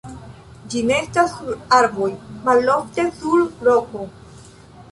Ĝi nestas sur arboj, malofte sur roko.